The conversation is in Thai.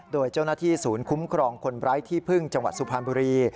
โดยเจ้าหน้าที่ศูนย์คุ้มครองคนไร้ที่พึ่งจังหวัดสุพรรณบุรี